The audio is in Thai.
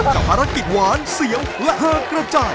กับภารกิจหวานเสียวและหากระจาย